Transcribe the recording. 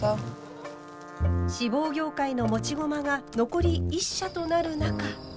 志望業界の持ち駒が残り１社となる中。